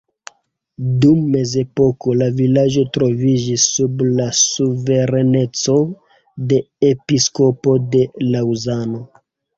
Dum mezepoko la vilaĝo troviĝis sub la suvereneco de episkopo de Laŭzano.